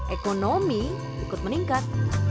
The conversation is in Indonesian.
ekonomi ikut meningkat